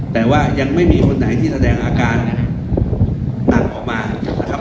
แต่ว่ายังไม่มีคนไหนที่แสดงอาการนั่งออกมา